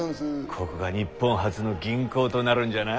ここが日本初の銀行となるんじゃな？